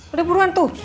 udah buruan tuh